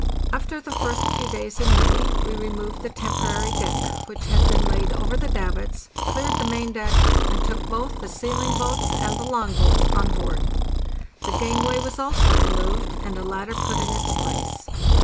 After the first few days in May we removed the temporary deck, which had been laid over the davits, cleared the main deck, and took both the sealing boats and the long boats on board. The gangway was also removed, and a ladder put in its place.